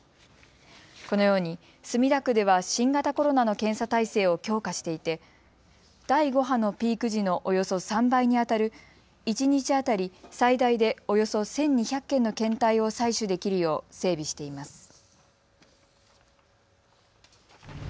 このように墨田区では新型コロナの検査体制を強化していて第５波のピーク時のおよそ３倍にあたる一日当たり最大でおよそ１２００件の検体を採取できるよう整備しています。